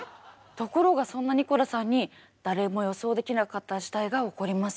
ところがそんなニコラさんに誰も予想できなかった事態が起こります。